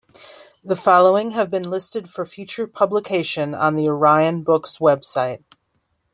The following have been listed for future publication on the Orion Books website.